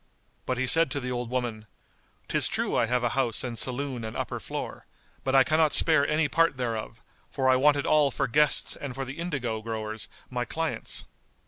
But he said to the old woman, "'Tis true I have a house and saloon and upper floor; but I cannot spare any part thereof, for I want it all for guests and for the indigo growers my clients."